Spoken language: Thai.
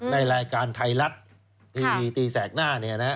ในรายการไทยรัฐทีวีตีแสกหน้า